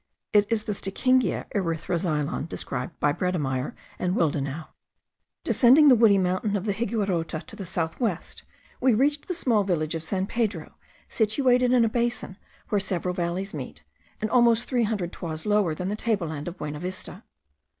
It is the Sickingia erythroxylon described by Bredemeyer and Willdenouw. Descending the woody mountain of the Higuerote to the south west, we reached the small village of San Pedro, situated in a basin where several valleys meet, and almost three hundred toises lower than the table land of Buenavista.